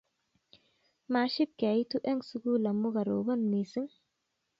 maship keitu eng' sukul amuu korobon mising